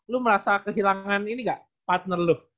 lu merasa kehilangan ini ga partner lu